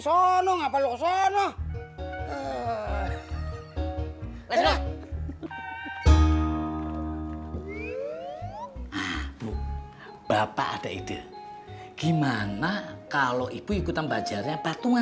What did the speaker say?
sampai jumpa di video selanjutnya